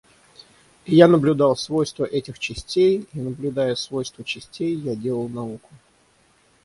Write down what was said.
И я наблюдал свойства этих частей, и, наблюдая свойства частей, я делал науку.